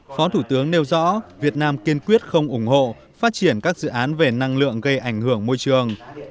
phó thủ tướng nêu rõ việt nam kiên quyết không ủng hộ phát triển các dự án về năng lượng gây ảnh hưởng môi trường